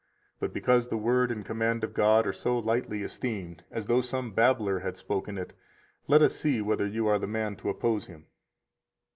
But because the word and command of God are so lightly esteemed, as though some babbler had spoken it, let us see whether you are the man to oppose Him.